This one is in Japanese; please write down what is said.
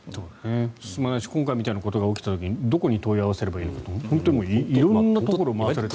進まないし今回みたいなことが起きた時にどこに問い合わせればいいのか本当に色んなところを回されて。